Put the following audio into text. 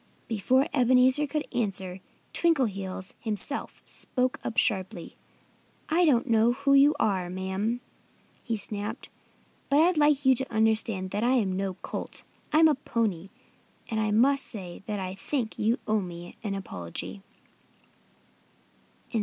Before Ebenezer could answer her, Twinkleheels himself spoke up sharply. "I don't know who you are, madam," he snapped. "But I'd like you to understand that I'm no colt. I'm a pony. And I must say that I think you owe me an apology."